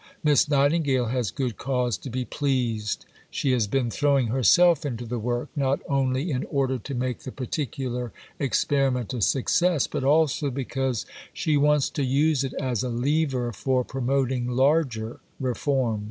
Miss Nightingale has good cause to be pleased. She has been throwing herself into the work, not only in order to make the particular experiment a success, but also because she wants to use it as a lever for promoting larger reforms.